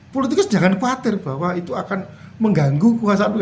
politikus jangan khawatir bahwa itu akan mengganggu kekuasaan